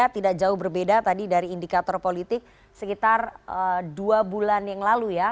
tidak jauh berbeda tadi dari indikator politik sekitar dua bulan yang lalu ya